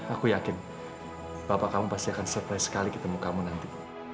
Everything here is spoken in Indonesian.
aku yakin bapak kamu pasti akan surprise sekali ketemu kamu nanti